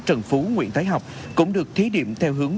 trần phú nguyễn thái học cũng được thí điểm theo hướng